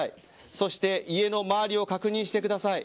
そして家の周りを確認してください。